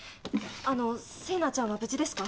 あの星名ちゃんは無事ですか？